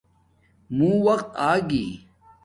موں وقت آگی